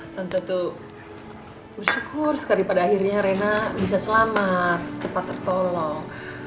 tentu tuh bersyukur sekali pada akhirnya rena bisa selamat cepat tertolong